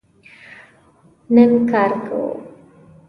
نن کار کوو